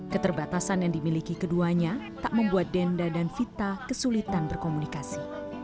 keterbatasan yang dimiliki keduanya tak membuat denda dan vita kesulitan berkomunikasi